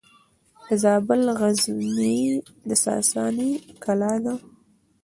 د زابل غزنیې د ساساني کلا ده